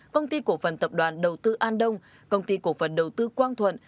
công ty cổ phần tập đoàn đầu tư an đông công ty cổ phần đầu tư quang thuận